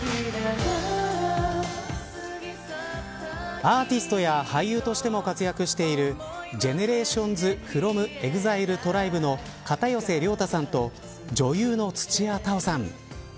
アーティストや俳優としても活躍しているＧＥＮＥＲＡＴＩＯＮＳｆｒｏｍＥＸＩＬＥＴＲＩＢＥの片寄涼太さんと女優の土屋太鳳さん。